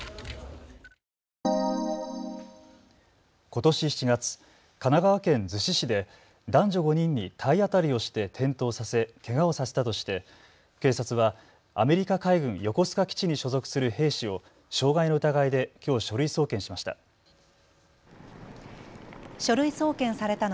ことし７月、神奈川県逗子市で男女５人に体当たりをして転倒させ、けがをさせたとして警察はアメリカ海軍横須賀基地に所属する兵士を傷害の疑いできょう書類送検しました。